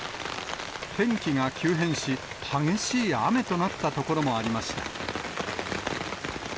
天気が急変し、激しい雨となった所もありました。